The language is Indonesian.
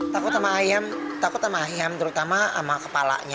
takut sama ayam terutama sama kepalanya